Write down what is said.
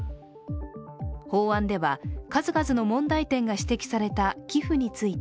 法案では数々の問題点が指摘された寄付について